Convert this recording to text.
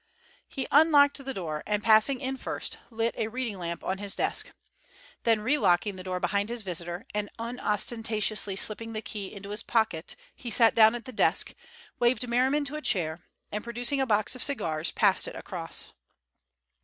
He unlocked the door, and passing in first, lit a reading lamp on his desk. Then relocking the door behind his visitor and unostentatiously slipping the key into his pocket, he sat down at the desk, waved Merriman to a chair, and producing a box of cigars, passed it across.